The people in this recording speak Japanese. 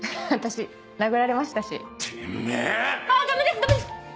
私殴られましたし。